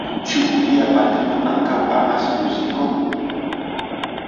Ĉu via patrino ankaŭ amas muzikon?